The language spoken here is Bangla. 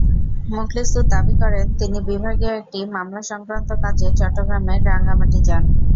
মোখলেসুর দাবি করেন, তিনি বিভাগীয় একটি মামলাসংক্রান্ত কাজে চট্টগ্রামের রাঙামাটি যান।